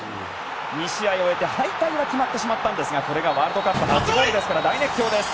２試合を終えて敗退が決まったんですがこれがワールドカップ初ゴールですから大熱狂です。